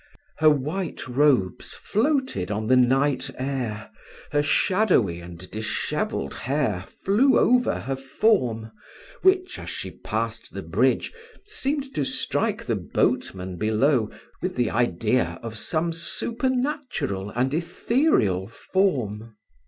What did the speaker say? Her white robes floated on the night air her shadowy and dishevelled hair flew over her form, which, as she passed the bridge, seemed to strike the boatmen below with the idea of some supernatural and ethereal form.